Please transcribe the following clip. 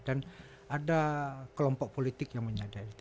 dan ada kelompok politik yang menyadari itu